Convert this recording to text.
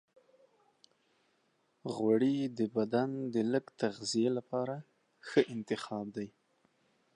غوړې د بدن د لږ تغذیې لپاره ښه انتخاب دی.